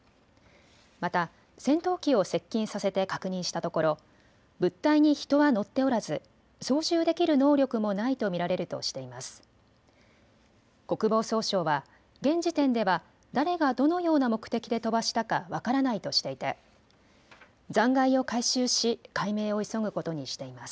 また戦闘機を接近させて確認したところ、物体に人は乗っておらず操縦できる能力もないと見られるとしています。